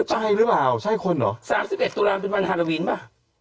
ใช่หรือเปล่าใช่คนหรอโดรหนุ่ม๓๑ตุลามือวันฮารวีนป่ะ